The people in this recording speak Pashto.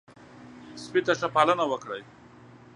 سپي ته ښه پالنه وکړئ.